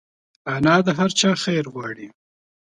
انا د هر چا خیر غواړي